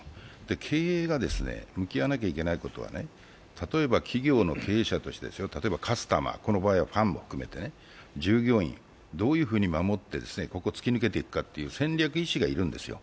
経営が向き合わなければいけないことは例えば企業の経営者として例えばカスタマー、この場合はファンも含めて、従業員、どういうふうに守ってここを突き抜けていくかという戦略意思が要るんですよ。